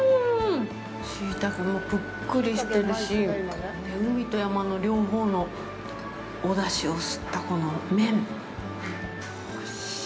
しいたけもぷっくりしてるし、海と山の両方のお出汁を吸ったこの麺。